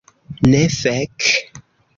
Ne, fek.